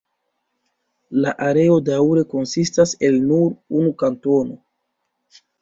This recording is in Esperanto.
La areo daŭre konsistas el nur unu kantono.